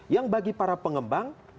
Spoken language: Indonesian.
yang bagi para pengembang